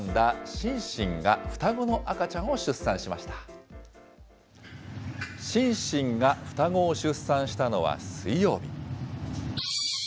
シンシンが双子を出産したのは水曜日。